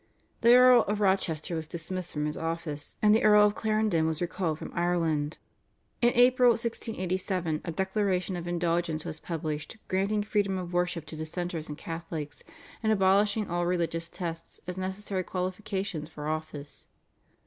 The Earl of Rochester was dismissed from his office, and the Earl of Clarendon was recalled from Ireland. In April 1687 a Declaration of Indulgence was published, granting freedom of worship to Dissenters and Catholics, and abolishing all religious tests as necessary qualifications for office.